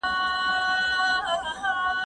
زه سبا لپاره پلان جوړ کړی دی؟